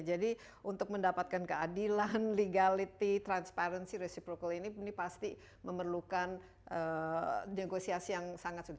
jadi untuk mendapatkan keadilan legality transparency reciprocal ini pasti memerlukan negosiasi yang sangat sangat penting